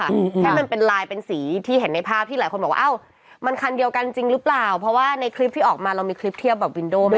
ให้มันเป็นลายเป็นสีที่เห็นในภาพที่หลายคนบอกว่าอ้าวมันคันเดียวกันจริงหรือเปล่าเพราะว่าในคลิปที่ออกมาเรามีคลิปเทียบแบบวินโดไหม